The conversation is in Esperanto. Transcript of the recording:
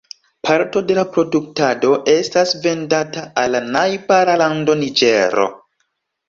Parto de la produktado estas vendata al la najbara lando Niĝero.